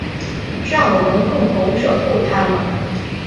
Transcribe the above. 让我们共同守护她们。